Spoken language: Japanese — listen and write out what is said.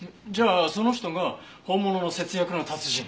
じゃあその人が本物の節約の達人。